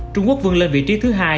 trung quốc vươn lên vị trí thứ hai